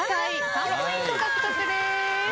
３ポイント獲得です。